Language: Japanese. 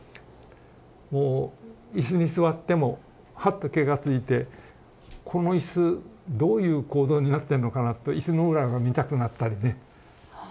もう椅子に座ってもハッと気が付いて「この椅子どういう構造になってるのかな」と椅子の裏が見たくなったりね。